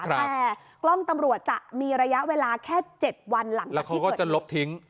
แต่กล้องตำรวจจะมีระยะเวลาแค่๗วันหลังแล้วเขาก็จะลบทิ้ง